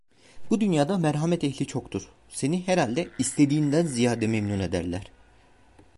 Bu dünyada merhamet ehli çoktur, seni herhalde istediğinden ziyade, memnun ederler.